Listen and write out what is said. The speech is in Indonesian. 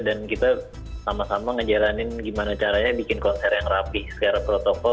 dan kita sama sama ngejalanin gimana caranya bikin konser yang rapih secara protokol